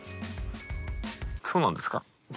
そうなんですか？